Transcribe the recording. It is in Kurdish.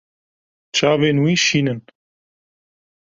Çavên wî şîn in.